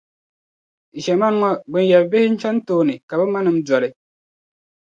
Ʒiɛmani ŋɔ gbinyari bihi n-chani tooni ka bɛ manim’ doli.